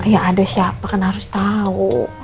ya ada siapa kan harus tahu